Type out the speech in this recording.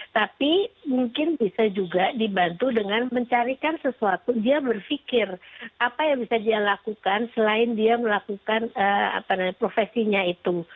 tapi mungkin bisa juga dibantu dengan mencarikan sesuatu dia berpikir apa yang bisa dia lakukan selain dia melakukan profesinya itu